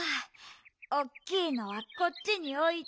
おっきいのはこっちにおいて。